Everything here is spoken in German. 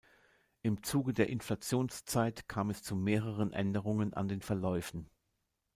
Im Zuge der Inflationszeit kam es zu mehreren Änderungen an den Verläufen.